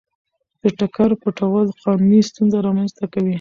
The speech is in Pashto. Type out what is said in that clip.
د ټکر پټول قانوني ستونزه رامنځته کوي.